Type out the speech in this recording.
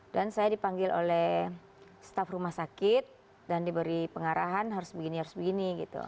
dan saya dipanggil oleh staff rumah sakit dan diberi pengarahan harus begini harus begini gitu